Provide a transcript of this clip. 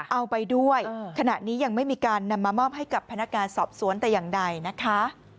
เอาไปด้วยขณะนี้ยังไม่มีการนำมามอบให้กับพนักงานสอบสวนแต่อย่างใดนะคะ